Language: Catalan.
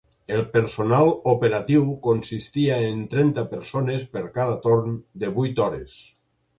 El personal operatiu consistia en trenta persones per cada torn de vuit hores.